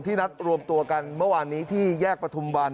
นัดรวมตัวกันเมื่อวานนี้ที่แยกประทุมวัน